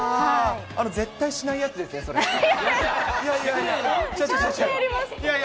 絶対しないやつですね、いやいや。